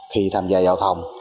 khi tham gia giao thông